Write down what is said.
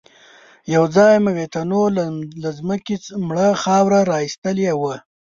يوځای مېږتنو له ځمکې مړه خاوره را ايستلې وه.